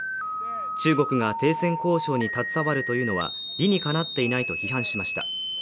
中国が停戦交渉に携わるというのは、理にかなっていないと批判しました。